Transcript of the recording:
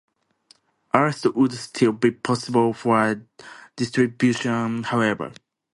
Arrest would still be possible for distribution, however.